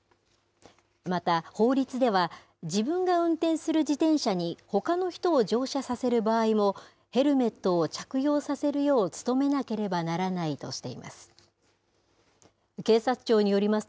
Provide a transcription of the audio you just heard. また法律では、自分が運転する自転車にほかの人を乗車させる場合も、ヘルメットを着用させるよう努めなければならないとしています。